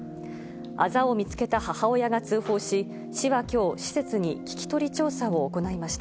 あざを見つけた母親が通報し、市はきょう、施設に聞き取り調査を行いました。